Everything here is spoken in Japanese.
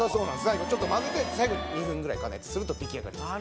最後ちょっと混ぜて再度２分ぐらい加熱すると出来上がります。